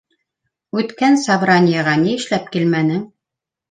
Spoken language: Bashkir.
Үткән собраниеға ни эшләп килмәнең?